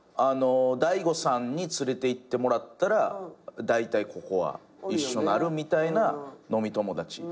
大悟さんに連れていってもらったらだいたいここは一緒なるみたいな飲み友達。